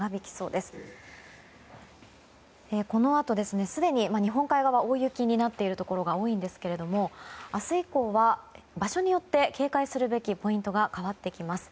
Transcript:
すでに日本海側は大雪になっているところが多いんですけれども明日以降は場所によって警戒するべきポイントが変わってきます。